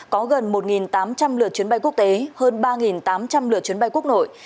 có gần một tám trăm linh lượt chuyến bay quốc tế hơn ba tám trăm linh lượt chuyến bay quốc nội